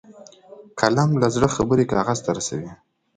قلم له زړه خبرې کاغذ ته رسوي